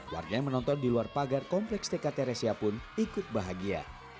warga yang menonton di luar pagar kompleks tk teresya pun ikut bahagia